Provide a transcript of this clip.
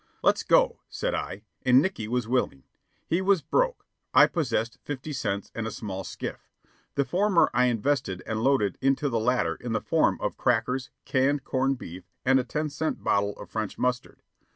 "Let's go," said I, and Nickey was willing. He was "broke." I possessed fifty cents and a small skiff. The former I invested and loaded into the latter in the form of crackers, canned corned beef, and a ten cent bottle of French mustard.